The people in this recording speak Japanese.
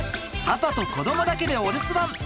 パパと子どもだけでお留守番。